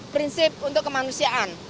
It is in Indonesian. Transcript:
prinsip untuk kemanusiaan